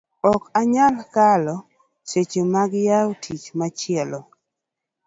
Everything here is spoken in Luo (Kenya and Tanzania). ok anyal kalo seche mag yawo tich machielo